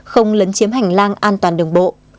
không lấn chiếm hành lang an toàn đường bộ